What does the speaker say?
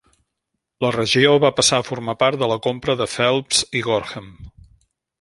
La regió va passar a formar part de la compra de Phelps i Gorham.